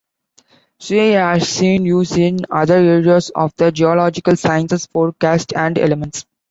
Cl has seen use in other areas of the geological sciences, forecasts, and elements.